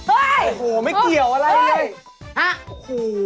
โอ้โหไม่เกี่ยวอะไรเลย